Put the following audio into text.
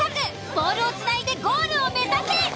ボールをつないでゴールを目指せ！